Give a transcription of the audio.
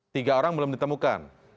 tiga orang belum ditemukan